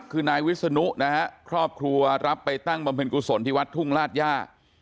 คือนายวิศนุนะฮะครอบครัวรับไปตั้งบำเพ็ญกุศลที่วัดทุ่งราชย่า